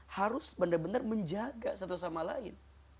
harus benar benar menjaga satu sama lain